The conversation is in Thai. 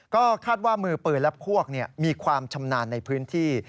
ก็คาดว่ามือปืนและพวกมีความชำนาญในพื้นที่